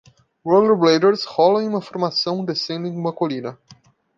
Rollerbladers rolam em formação descendo uma colina.